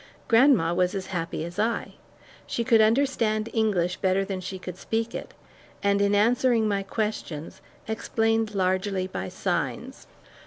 Grandma was as happy as I. She could understand English better than she could speak it, and in answering my questions, explained largely by signs.